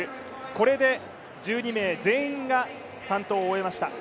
これで１２名全員が３投を終えました